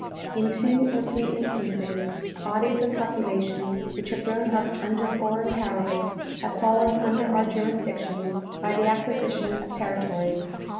In two or three instances bodies of population which have grown up under foreign powers have fallen under our jurisdiction by the acquisi tion of territory.